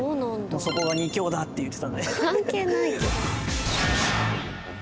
「そこが２強だ」って言ってたので。